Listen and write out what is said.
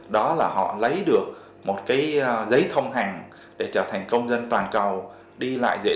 đó là họ lấy được một cái giấy thông hành để trở thành công dân toàn cầu đi lại dễ dàng